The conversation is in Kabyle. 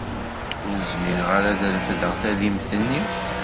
Ur zmireɣ ara ad refdeɣ tadimt-nni.